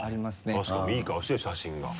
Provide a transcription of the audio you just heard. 確かにいい顔してる写真が。